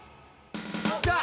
きた！